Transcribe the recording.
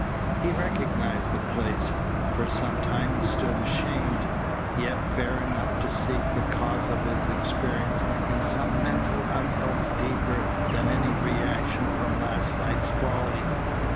He recognized the place. For some time he stood ashamed, yet fair enough to seek the cause of his experience in some mental unhealth deeper than any reaction from last night's folly.